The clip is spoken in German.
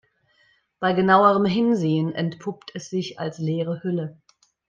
Bei genauerem Hinsehen entpuppt es sich als leere Hülle.